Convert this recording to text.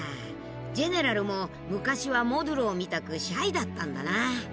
ジェネラルも昔はモドゥローみたくシャイだったんだな。